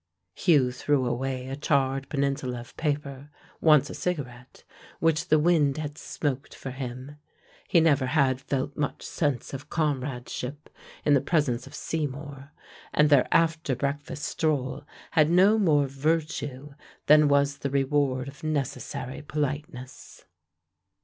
Hugh threw away a charred peninsula of paper, once a cigarette, which the wind had smoked for him. He never had felt much sense of comradeship in the presence of Seymour, and their after breakfast stroll had no more virtue than was the reward of necessary politeness.